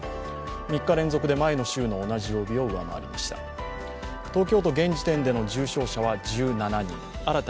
３日連続で前の週の同じ曜日を上回りました。